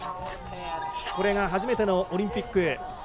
これが初めてのオリンピック。